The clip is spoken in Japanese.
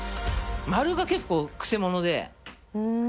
丸が結構くせ者で。